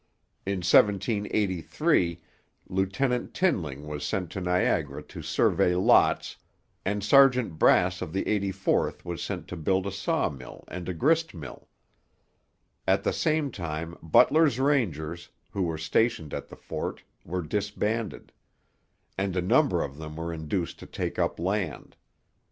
In 1783 Lieutenant Tinling was sent to Niagara to survey lots, and Sergeant Brass of the 84th was sent to build a saw mill and a grist mill. At the same time Butler's Rangers, who were stationed at the fort, were disbanded; and a number of them were induced to take up land.